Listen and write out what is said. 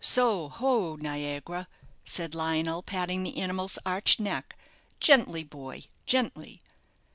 "So ho, 'Niagara,'" said Lionel, patting the animal's arched neck; "gently, boy, gently."